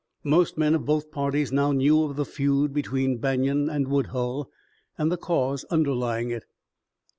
Most men of both parties now knew of the feud between Banion and Woodhull, and the cause underlying it.